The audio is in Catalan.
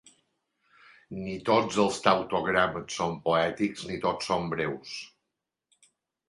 Ni tots els tautogrames són poètics ni tots són breus.